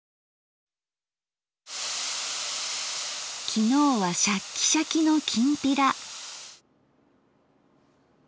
昨日はシャッキシャキのきんぴら。